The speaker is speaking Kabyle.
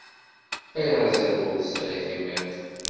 Tayaziḍt ur tesɛi timiḍt.